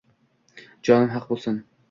jonim haq bo’lsin.